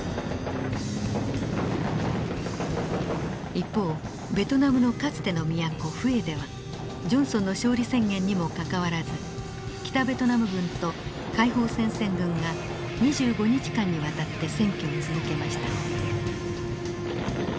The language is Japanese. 一方ベトナムのかつての都フエではジョンソンの勝利宣言にもかかわらず北ベトナム軍と解放戦線軍が２５日間にわたって占拠を続けました。